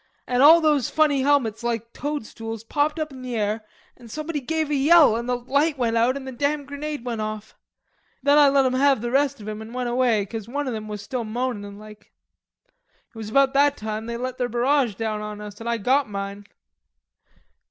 An' all those funny helmets like toadstools popped up in the air an' somebody gave a yell an' the light went out an' the damn grenade went off. Then I let 'em have the rest of 'em an' went away 'cause one o' 'em was still moanin' like. It was about that time they let their barrage down on us and I got mine."